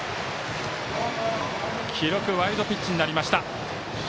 記録ワイルドピッチになりました。